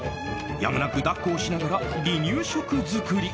やむなく抱っこをしながら離乳食作り。